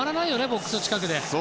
ボックスの近くで。